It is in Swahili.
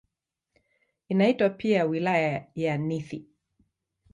Inaitwa pia "Wilaya ya Nithi".